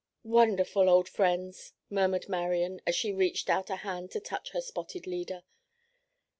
"Wonderful old friends," murmured Marian as she reached out a hand to touch her spotted leader.